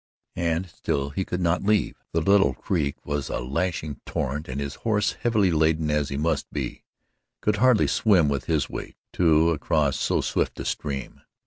And still he could not leave. The little creek was a lashing yellow torrent, and his horse, heavily laden as he must be, could hardly swim with his weight, too, across so swift a stream.